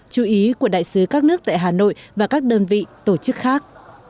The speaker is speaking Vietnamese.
chú ý của đại sứ các nước tại hà nội và các đơn vị tổ chức khác